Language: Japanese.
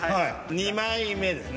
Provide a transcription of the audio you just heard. ２枚目ですね。